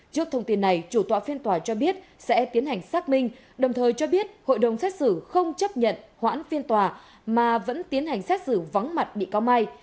trước thông tin này chủ tọa phiên tòa cho biết sẽ tiến hành xác minh đồng thời cho biết hội đồng xét xử không chấp nhận hoãn phiên tòa mà vẫn tiến hành xét xử vắng mặt bị cáo mai